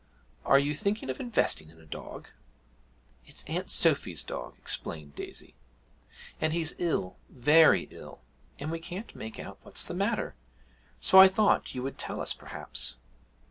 Are you thinking of investing in a dog?' 'It's Aunt Sophy's dog,' explained Daisy, 'and he's ill very ill and we can't make out what's the matter, so I thought you would tell us perhaps?'